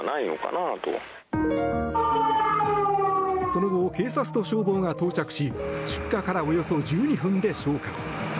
その後、警察と消防が到着し出火からおよそ１２分で消火。